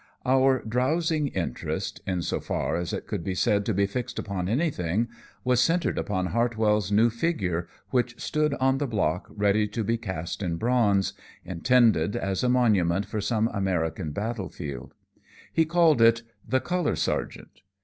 Our drowsing interest, in so far as it could be said to be fixed upon anything, was centered upon Hartwell's new figure, which stood on the block ready to be cast in bronze, intended as a monument for some American battlefield. He called it "The Color Sergeant."